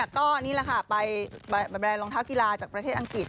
ก็นี่แหละค่ะไปบรรยายรองเท้ากีฬาจากประเทศอังกฤษ